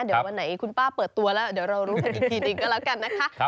เดี๋ยววันไหนคุณป้าเปิดตัวแล้วเดี๋ยวเรารู้กันอีกทีหนึ่งก็แล้วกันนะคะ